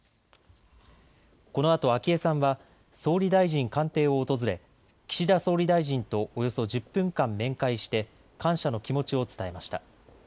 このあと昭恵さんは総理大臣官邸を訪れ岸田総理大臣とおよそ１０分間面会して感謝の気持ちを伝えました。